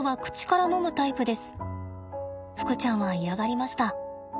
ふくちゃんは嫌がりました。